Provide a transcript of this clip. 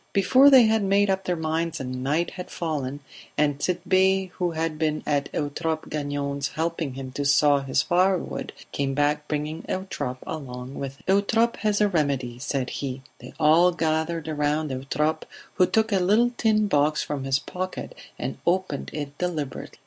Before they had made up their minds night had fallen, and Tit'Bé, who had been at Eutrope Gagnon's helping him to saw his firewood, came back bringing Eutrope along with him. "Eutrope has a remedy," said he. They all gathered round Eutrope, who took a little tin box from his pocket and opened it deliberately.